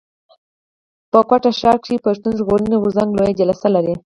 په کوټه ښار کښي پښتون ژغورني غورځنګ لويه جلسه لري.